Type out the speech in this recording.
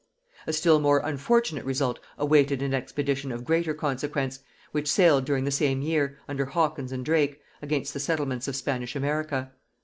A still more unfortunate result awaited an expedition of greater consequence, which sailed during the same year, under Hawkins and Drake, against the settlements of Spanish America.